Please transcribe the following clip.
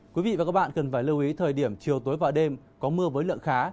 quý vị và các bạn cần phải lưu ý thời điểm chiều tối và đêm có mưa với lượng khá